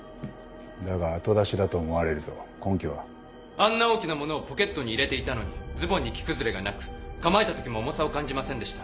あんな大きな物をポケットに入れていたのにズボンに着崩れがなく構えたときも重さを感じませんでした。